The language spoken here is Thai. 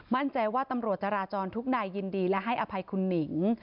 มั่นใจว่าตำรวจจราจรทุกนายยินดีและให้อภัยคุณหนิง